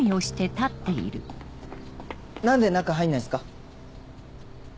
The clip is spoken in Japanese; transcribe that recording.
何で中入んないんすか？